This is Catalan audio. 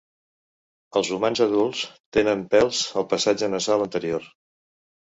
Els humans adults tenen pèls al passatge nasal anterior.